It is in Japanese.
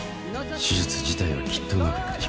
手術自体はきっとうまくいくでしょう。